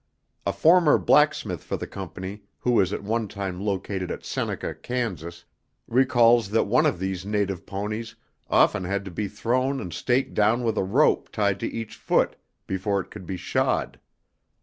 A former blacksmith for the Company who was at one time located at Seneca, Kansas, recalls that one of these native ponies often had to be thrown and staked down with a rope tied to each foot before it could be shod.